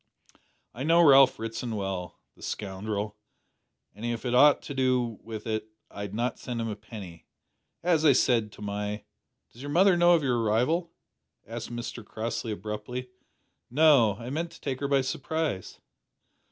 "I know Ralph Ritson well, the scoundrel, an' if I had aught to do wi' it I'd not send him a penny. As I said to my " "Does your mother know of your arrival?" asked Mr Crossley abruptly. "No; I meant to take her by surprise."